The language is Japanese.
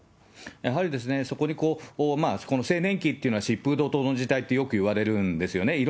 やはりそこに青年期というのは、疾風怒とうの時代ってよくいわれるんですよね。